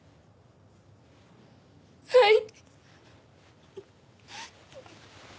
はい。